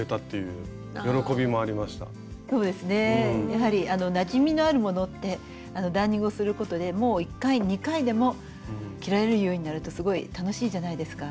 やはりなじみのあるものってダーニングをすることでもう１回２回でも着られるようになるとすごい楽しいじゃないですか。